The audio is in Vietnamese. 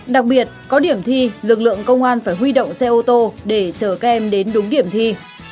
đặc biệt có điểm thi lực lượng công an phải huy động xe ô tô để chờ các em đến đúng điểm thi